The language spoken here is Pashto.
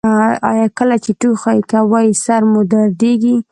ایا کله چې ټوخی کوئ سر مو دردیږي؟